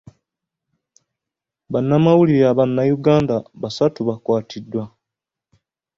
Bannamawulire Abannayuganda basatu bakwatiddwa.